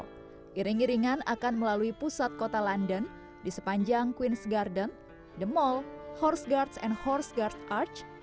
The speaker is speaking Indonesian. giring giringan akan melalui pusat kota london di sepanjang queen's garden the mall horse guards and horse guards arch